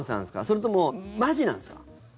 それともマジなんですか？